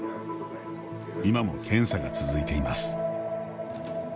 今も検査が続いています。